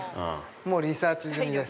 ◆もうリサーチ済みです。